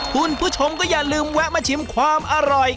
คุณผู้ชมก็อย่าลืมแวะมาชิมความอร่อย